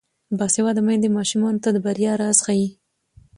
باسواده میندې ماشومانو ته د بریا راز ښيي.